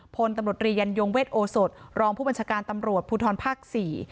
พลตำรวจรียันยงเวทโอสดรองผู้บัญชาการตำรวจภูทรภาคสี่